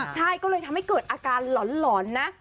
ใช่ก็เลยทำให้เกิดอาการหลอนนะ